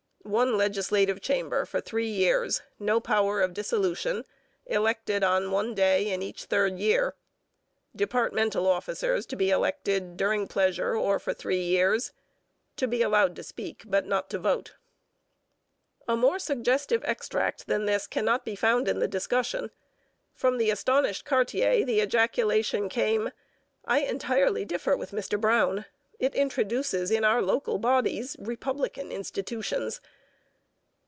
One legislative chamber for three years, no power of dissolution, elected on one day in each third year. Departmental officers to be elected during pleasure or for three years. To be allowed to speak but not to vote. A more suggestive extract than this cannot be found in the discussion. From the astonished Cartier the ejaculation came, 'I entirely differ with Mr Brown. It introduces in our local bodies republican institutions.'